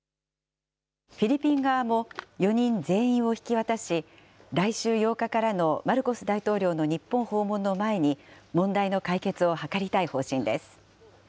フィリピン側も、４人全員を引き渡し、来週８日からのマルコス大統領の日本訪問の前に、問題の解決を図りたい方針です。